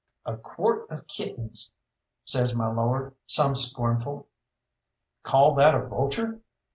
"A quart of kittens!" says my lord, some scornful. "Call that a vulture?"